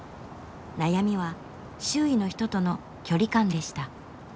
悩みは周囲の人との距離感でした。